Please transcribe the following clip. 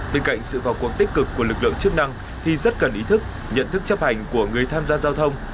bên cạnh sự vào cuộc tích cực của lực lượng chức năng thì rất cần ý thức nhận thức chấp hành của người tham gia giao thông